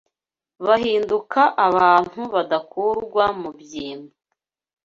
bahinduka abantu badakurwa mu byimbo